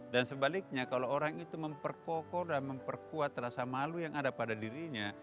dan sebaliknya kalau orang itu memperkokor dan memperkuat rasa malu yang ada pada dirinya